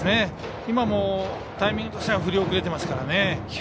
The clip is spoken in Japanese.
今もタイミングとしては振り遅れてますからね。